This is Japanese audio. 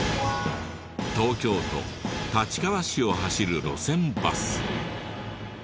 東京都立川市を走る路線バス。